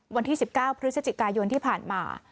วันที่๑๙พฤศจิกายนที่ผ่านมา